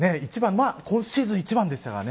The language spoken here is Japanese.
今シーズン一番でしたからね。